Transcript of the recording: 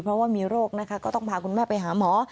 เพราะว่ามีโรคนะคะก็ต้องพาคุณแม่ไปหาหมอ